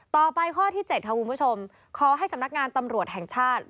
ต่อไปข้อที่๗ค่ะคุณผู้ชมขอให้สำนักงานตำรวจแห่งชาติ